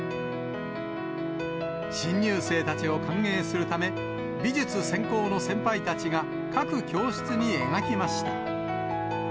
新入生たちを歓迎するため、美術専攻の先輩たちが、各教室に描きました。